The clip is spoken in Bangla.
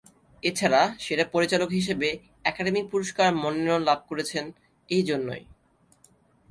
এছাড়া সেরা পরিচালক হিসেবে একাডেমি পুরস্কার মনোনয়ন লাভ করেছেন এর জন্যই।